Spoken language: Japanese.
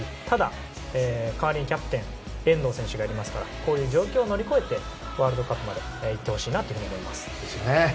ただ、代わりにキャプテン遠藤選手がいますからこういう状況を乗り越えてワールドカップまで行ってほしいと思います。